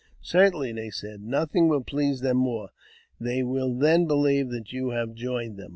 *' Certainly," said they ;" nothing will please them morej they will then believe that you have joined them."